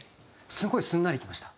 すごいすんなりきました。